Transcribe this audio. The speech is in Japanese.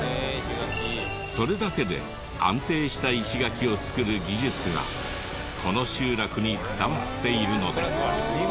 それだけで安定した石垣を作る技術がこの集落に伝わっているのです。